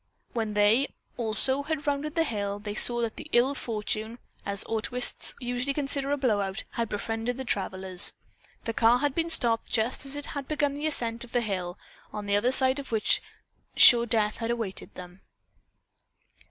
When they, also, had rounded the hill, they saw that "ill fortune," as autoists usually consider a blow out, had befriended the travelers. The car had been stopped just as it had begun the ascent of the hill, on the other side of which sure death had awaited them.